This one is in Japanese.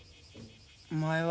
お前は？